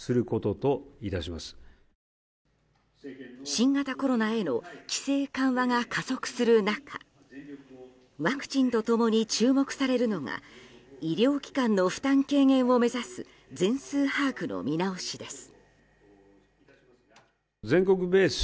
新型コロナへの規制緩和が加速する中ワクチンと共に注目されるのが医療機関の負担軽減を目指す全数把握の見直しです。